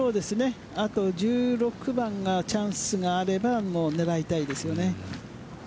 あと１６番がチャンスがあれば狙いたいですよね。